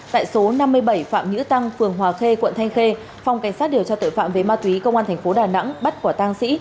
tại số năm mươi bảy phạm nhữ tăng phường hòa khê quận thanh khê phòng cảnh sát điều tra tội phạm về ma túy công an tp đà nẵng bắt quả tang sĩ